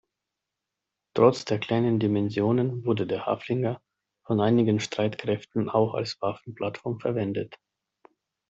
Trotz der kleinen Dimensionen wurde der Haflinger von einigen Streitkräften auch als Waffen-Plattform verwendet.